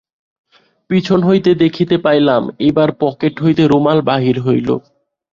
পিছন হইতে দেখিতে পাইলাম, এইবার পকেট হইতে রুমাল বাহির হইল।